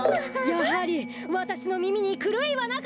やはりわたしのみみにくるいはなかった！